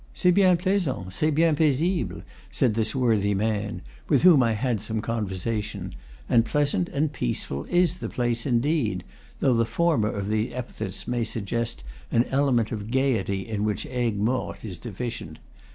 "C'est bien plaisant, c'est bien paisible," said this worthy man, with whom I had some conversa tion; and pleasant and peaceful is the place indeed, though the former of these epithets may suggest an element of gayety in which Aigues Mortes is deficient.